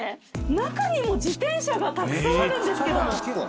中にも自転車がたくさんあるんですけども。